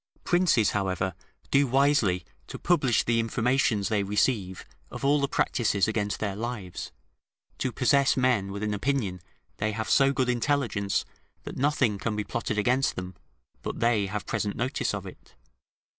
Princes, however, do wisely to publish the informations they receive of all the practices against their lives, to possess men with an opinion they have so good intelligence that nothing can be plotted against them, but they have present notice of it.